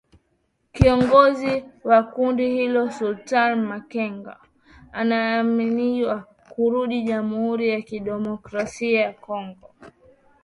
Kiongozi wa kundi hilo Sultani Makenga anaaminika kurudi Jamhuri ya Kidemokrasia ya Kongo